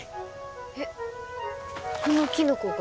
えっこのキノコが？